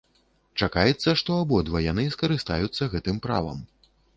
Чакаецца, што абодва яны скарыстаюцца гэтым правам.